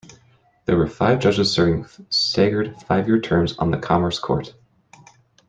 There were five judges serving staggered five-year terms on the Commerce Court.